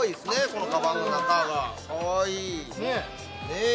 このカバンの中がかわいいねえへえ